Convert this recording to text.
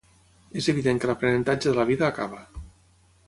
És evident que l'aprenentatge de la vida acaba.